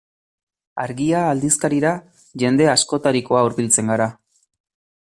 Argia aldizkarira jende askotarikoa hurbiltzen gara.